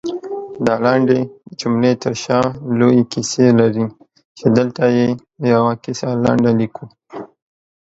دالنډې جملې ترشا لويې کيسې لري، چې دلته يې يوه کيسه لنډه ليکو